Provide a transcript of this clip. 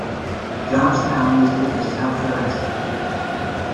Johnstown is to the southwest.